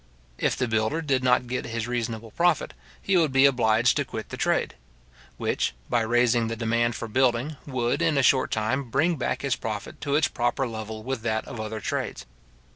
If the builder did not get his reasonable profit, he would be obliged to quit the trade; which, by raising the demand for building, would, in a short time, bring back his profit to its proper level with that of other trades.